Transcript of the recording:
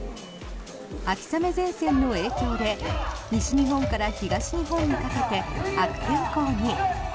秋雨前線の影響で西日本から東日本にかけて悪天候に。